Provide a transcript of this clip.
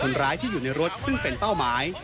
คนร้ายที่อยู่ในรถซึ่งเป็นเป้าหมาย